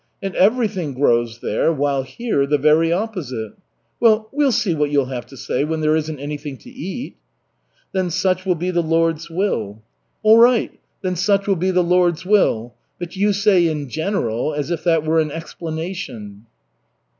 And everything grows there, while here, the very opposite. Well, we'll see what you'll have to say when there isn't anything to eat." "Then such will be the Lord's will." "All right, then such will be the Lord's will. But you say 'in general' as if that were an explanation."